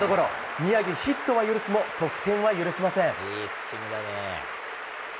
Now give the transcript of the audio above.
宮城、ヒットは許すも得点は許しません。